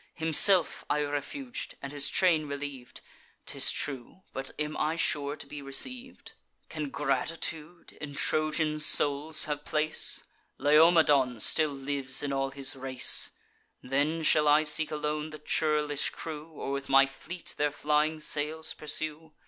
Himself I refug'd, and his train reliev'd; 'Tis true; but am I sure to be receiv'd? Can gratitude in Trojan souls have place! Laomedon still lives in all his race! Then, shall I seek alone the churlish crew, Or with my fleet their flying sails pursue?